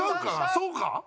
そうか？